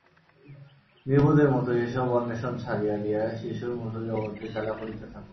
নির্বোধের মত এ-সব অন্বেষণ ছাড়িয়া দিয়া শিশুর মত জগতে খেলা করিতে থাক।